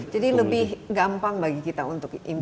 jadi lebih gampang bagi kita untuk impor